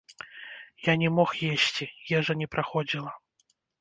Я не мог есці, ежа не праходзіла.